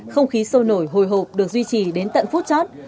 không khí sôi nổi hồi hộp được duy trì đến tận phút chót